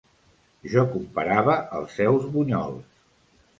Jo comparava els seus bunyols.